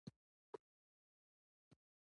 انسان بیا هم خطا کوي.